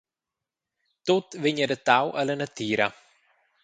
Tut vegn adattau alla natira.